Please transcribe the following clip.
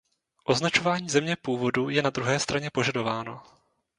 Označování země původu je na druhé straně požadováno.